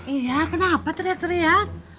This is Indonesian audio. iya kenapa teriak teriak